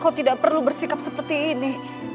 kau tidak perlu bersikap seperti ini